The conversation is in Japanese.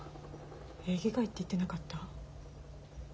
エーゲ海って言ってなかった？